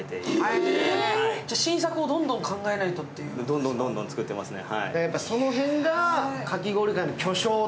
どんどんどんどん作ってますね。